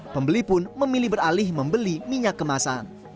pembeli pun memilih beralih membeli minyak kemasan